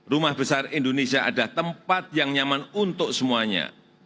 rumah besar indonesia adalah tempat yang nyaman untuk semuanya